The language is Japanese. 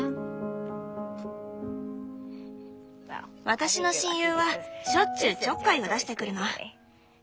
私の親友はしょっちゅうちょっかいを出してくるの。